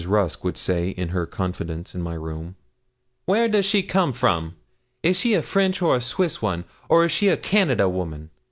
Rusk would say in her confidences in my room 'Where does she come from? is she a French or a Swiss one, or is she a Canada woman?